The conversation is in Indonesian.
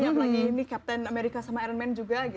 apalagi captain america sama iron man juga